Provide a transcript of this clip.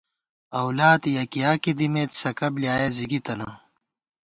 اؤلاد یَکِیاکے دِمېت ، سَکہ بۡلیایَہ زِگی تَنہ